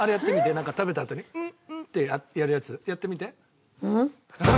なんか食べたあとに「ん？」ってやるやつやってみて。